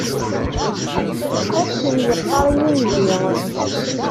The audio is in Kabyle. Akken yeqqaṛ yinzi.